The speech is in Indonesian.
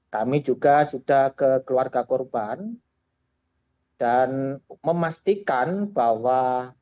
kami juga sudah ke keluarga korban dan memastikan bahwa